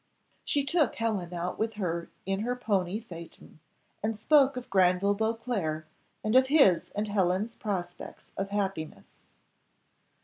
She took Helen out with her in her pony phaeton, and spoke of Granville Beauclerc, and of his and Helen's prospects of happiness.